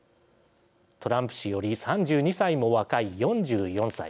トランプ氏より３２歳も若い４４歳。